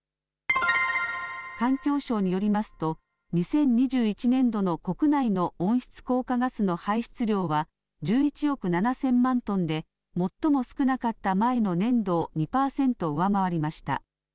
環境省によりますと２０２１年度の国内の温室効果ガスの排出量は１１億７０００万トンで最も少なかった前の年度を２％上回りました。